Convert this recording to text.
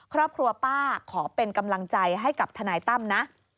ครอบครัวป้าขอเป็นกำลังใจให้กับทนายตั้มนะ